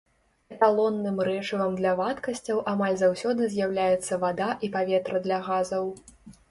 Эталонным рэчывам для вадкасцяў амаль заўсёды з'яўляецца вада і паветра для газаў.